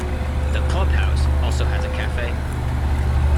The Clubhouse also has a cafe.